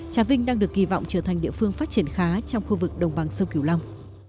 trà vinh đang được kỳ vọng trở thành địa phương phát triển khá trong khu vực đồng bằng sông kiều long